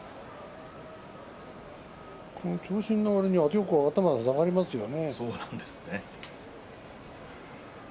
長身のわりによく頭が下がりますよね。